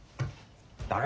誰？